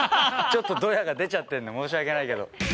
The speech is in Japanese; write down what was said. ちょっとドヤが出ちゃってるの、申し訳ないけど。